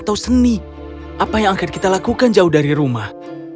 apa yang akan kita lakukan jauh dari rumah